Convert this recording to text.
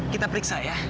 kita periksa ya